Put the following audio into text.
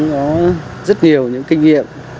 có rất nhiều những kinh nghiệm